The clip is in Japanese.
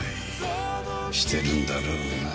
してるんだろうな。